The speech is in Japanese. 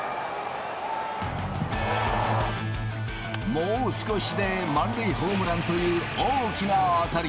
もう少しで満塁ホームランという大きな当たり。